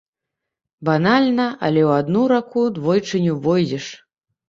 Банальна, але ў адну раку двойчы не ўвойдзеш.